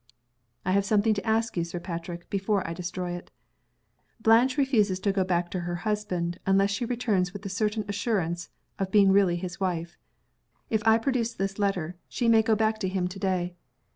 "I have something to ask you, Sir Patrick, before I destroy it. Blanche refuses to go back to her husband, unless she returns with the certain assurance of being really his wife. If I produce this letter, she may go back to him to day.